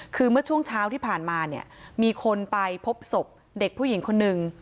คือเมื่อช่วงเช้าที่ผ่านมาเนี่ยมีคนไปพบศพเด็กผู้หญิงคนหนึ่ง